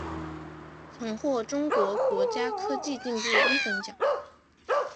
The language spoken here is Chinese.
曾获中国国家科技进步一等奖。